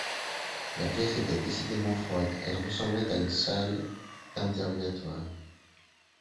La pièce était décidément froide, elle ressemblait à une salle d’interrogatoire